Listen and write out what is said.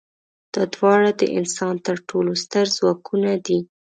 دا دواړه د انسان تر ټولو ستر ځواکونه دي.